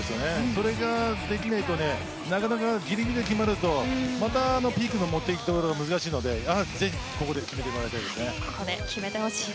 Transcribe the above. それができないとなかなかぎりぎりで決まるとまたピークのもっていきどころが難しいのでぜひここで決めてもらいたいですね。